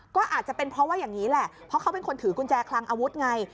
ก็อาจจะเป็นเพราะว่าอย่างนี้แหละเพราะเขาเป็นคนถือกุญแจคลังอาวุธไง